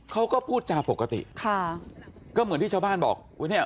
เขาก็พูดจาปกติค่ะก็เหมือนที่ชาวบ้านบอกอุ้ยเนี่ย